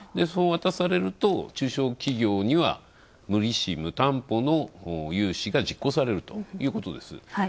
渡されると中小企業には無利子・無担保の融資が実行されるということです。